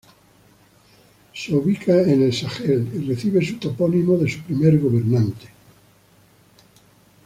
Se ubica en el Sahel y recibe su topónimo de su primer gobernante.